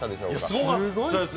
すごかったです。